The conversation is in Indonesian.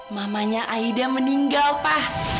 mamanya aida meninggal pa